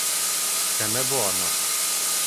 Szeme barna.